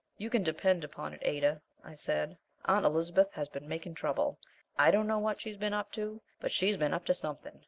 "You can depend upon it, Ada," I said, "Aunt Elizabeth has been making trouble! I don't know what she's been up to, but she's been up to something!